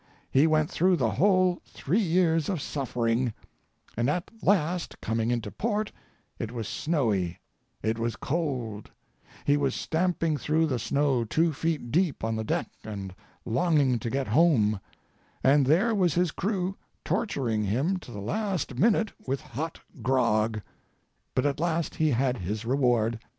"He went through the whole, three years of suffering, and at last coming into port it was snowy, it was cold, he was stamping through the snow two feet deep on the deck and longing to get home, and there was his crew torturing him to the last minute with hot grog, but at last he had his reward.